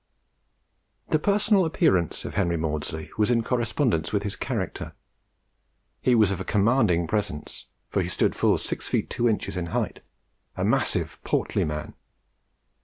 The personal appearance of Henry Maudslay was in correspondence with his character. He was of a commanding presence, for he stood full six feet two inches in height, a massive and portly man.